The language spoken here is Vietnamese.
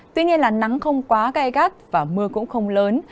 tuy nhiên là nắng không quá gai gắt và mưa cũng không lớn